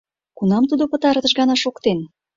Кунам тудо пытартыш гана шоктен?